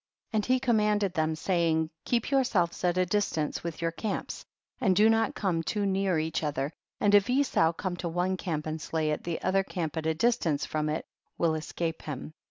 25. And he commanded them, say ing, keep yourselves at a distance with your camps, and do not come too near each other, and if Esau come to one camp and slay it, the other camp at a distance from it will escape him.